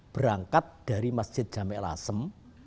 berangkat dari masjid jame' lasem